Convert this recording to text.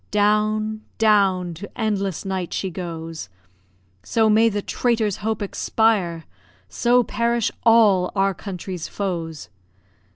Down, down to endless night she goes! So may the traitor's hope expire, So perish all our country's foes!